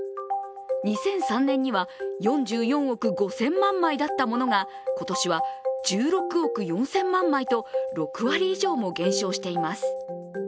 ２００３年には４４億５０００万枚だったものが今年は１６億４０００万枚と６割以上も減少しています。